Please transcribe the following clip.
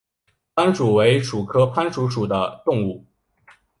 攀鼠为鼠科攀鼠属的动物。